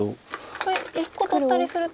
これ１個取ったりすると。